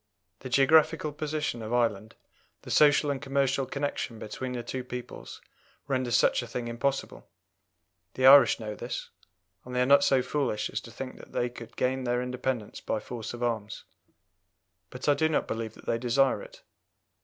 The geographical position of Ireland, the social and commercial connection between the two peoples, renders such a thing impossible. The Irish know this, and they are not so foolish as to think that they could gain their independence by force of arms; but I do not believe that they desire it.